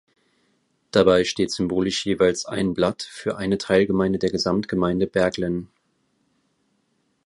Dabei steht symbolisch jeweils ein Blatt für eine Teilgemeinde der Gesamtgemeinde Berglen.